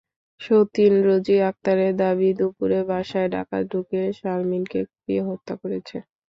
সতিন রোজি আক্তারের দাবি, দুপুরে বাসায় ডাকাত ঢুকে শারমীনকে কুপিয়ে হত্যা করেছে।